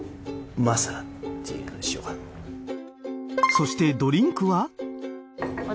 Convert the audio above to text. そしてドリンクは？